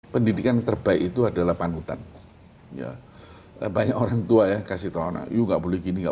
pendidikan terbaik itu adalah panutan ya banyak orang tua ya kasih tahu anak yuk nggak boleh gini enggak